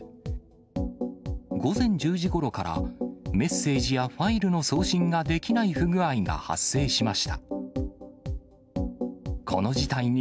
午前１０時ごろから、メッセージやファイルの送信ができない不具合が発生しました。